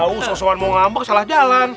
ah usah usahan mau ngambak salah jalan